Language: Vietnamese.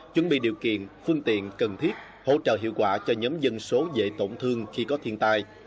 chuẩn bị điều kiện phương tiện cần thiết hỗ trợ hiệu quả cho nhóm dân số dễ tổn thương khi có thiên tai